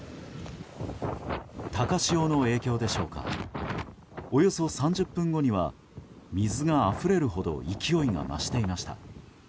高潮の影響でしょうかおよそ３０分後には水があふれるほど勢いが増していました。